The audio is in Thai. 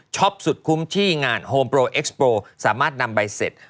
สุดคุ้มที่งานโฮมโปรเอ็กซ์โปรสามารถนำใบเสร็จ